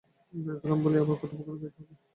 দেরি করিলাম বলিয়া আবার কত বকুনি খাইতে হইবে।